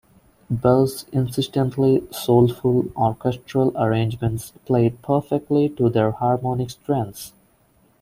Bell's insistently soulful orchestral arrangements played perfectly to their harmonic strengths.